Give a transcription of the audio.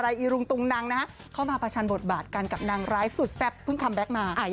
อีรุงตุงนังนะฮะเข้ามาประชันบทบาทกันกับนางร้ายสุดแซ่บเพิ่งคัมแบ็คมา